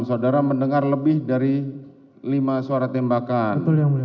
saudara mendengar lebih dari lima suara tembakan